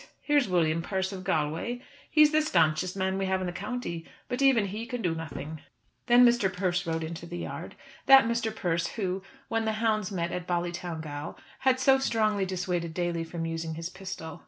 Here's William Persse of Galway. He's the stanchest man we have in the county, but even he can do nothing." Then Mr. Persse rode into the yard, that Mr. Persse who, when the hounds met at Ballytowngal, had so strongly dissuaded Daly from using his pistol.